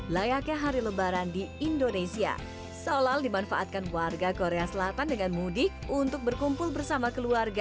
layaknya hari lebaran di indonesia salal dimanfaatkan warga korea selatan dengan mudik untuk berkumpul bersama keluarga